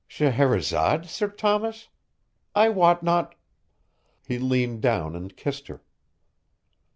"Scheherazade, Sir Thomas? I wot not " He leaned down and kissed her.